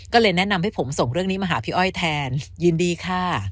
ก็เลยแนะนำให้ผมส่งเรื่องนี้มาหาพี่อ้อยแทนยินดีค่ะ